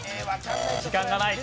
時間がない。